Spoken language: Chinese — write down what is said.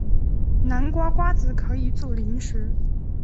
南瓜瓜子可以做零食。